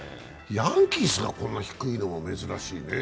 ヤンキースがこんな低いのは珍しいね。